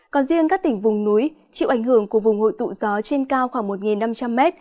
còn riêng các tỉnh vùng núi chịu ảnh hưởng của vùng hội tụ gió trên cao khoảng một năm trăm linh m